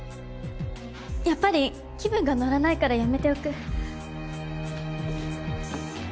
やっぱり気分が乗らないからやめておく。